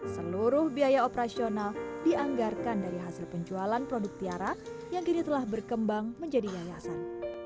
seluruh biaya operasional dianggarkan dari hasil penjualan produk tiara yang kini telah berkembang menjadi yayasan